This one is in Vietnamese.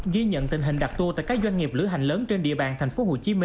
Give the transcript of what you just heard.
ghi nhận tình hình đặc tu tại các doanh nghiệp lửa hành lớn trên địa bàn tp hcm